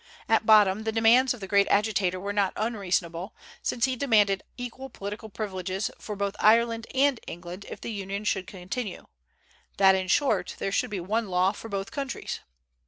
At bottom, the demands of the great agitator were not unreasonable, since he demanded equal political privileges for both Ireland and England if the Union should continue, that, in short, there should be one law for both countries.